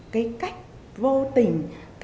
cái cách vô tình